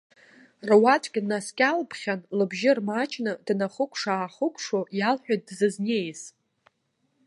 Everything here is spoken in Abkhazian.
Руаӡәк днаскьалԥхьан, лыбжьы рмаҷны, днахыкәшааахыкәшо, иалҳәеит дзызнеиз.